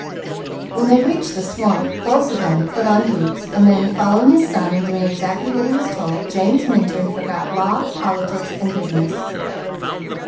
When they reached the swamp both of them put on boots and then, following his son and doing exactly what he was told, James Minturn forgot law, politics, and business.